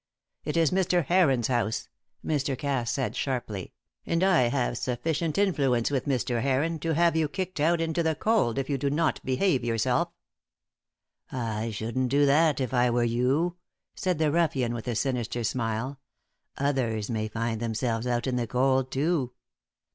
"It is Mr. Heron's house." Mr. Cass said, sharply; "and I have sufficient influence with Mr. Heron to have you kicked out into the cold if you do not behave yourself." "I shouldn't do that if I were you," said the ruffian, with a sinister smile. "Others may find themselves out in the cold too.